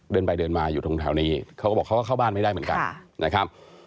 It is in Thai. เดินไปเดินมาอยู่ตรงแถวนี้เขาก็บอกเขาก็เข้าบ้านไม่ได้เหมือนกันนะครับ